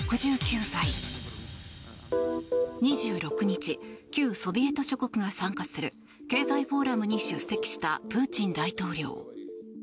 ２６日旧ソビエト諸国が参加する経済フォーラムに出席したプーチン大統領。